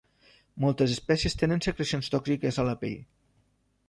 Moltes espècies tenen secrecions tòxiques a la pell.